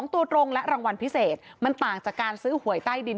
ตัวตรงและรางวัลพิเศษมันต่างจากการซื้อหวยใต้ดิน